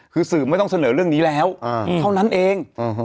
คือสื่อไม่ต้องเสนอเรื่องนี้แล้วเท่านั้นเอง